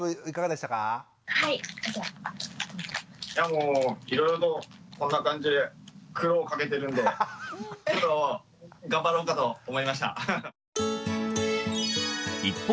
もういろいろとこんな感じで苦労かけてるんでちょっと頑張ろうかと思いました。